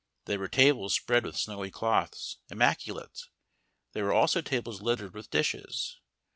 There were tables spread with snowy cloths, immaculate; there were also tables littered with dishes.